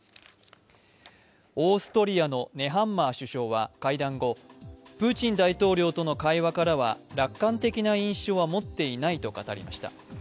オーストリアのネハンマー首相は会談後、プーチン大統領との会話からは楽観的な印象は持っていないと語りました。